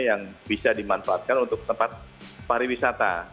yang bisa dimanfaatkan untuk tempat pariwisata